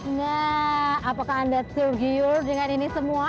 nah apakah anda tergiur dengan ini semua